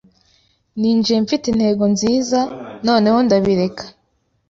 Ninjiye mfite intego nziza noneho ndabireka